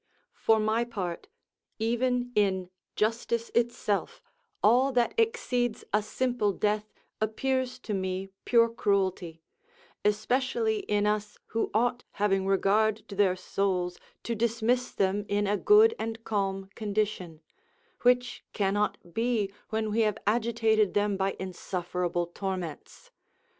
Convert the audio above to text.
For my part, even in justice itself, all that exceeds a simple death appears to me pure cruelty; especially in us who ought, having regard to their souls, to dismiss them in a good and calm condition; which cannot be, when we have agitated them by insufferable torments.